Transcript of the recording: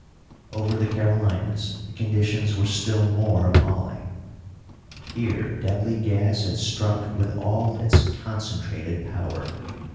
Over the Carolinas the conditions were still more appalling. Here deadly gas had struck with all its concentrated power.